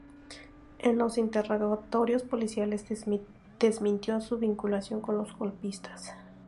En los interrogatorios policiales desmintió su vinculación con los golpistas.